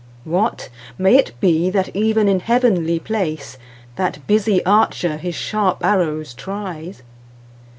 What! may it be that even in heavenly placeThat busy archer his sharp arrows tries?